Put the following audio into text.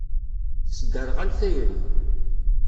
Tesderɣal tayri.